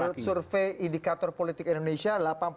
menurut survei indikator politik indonesia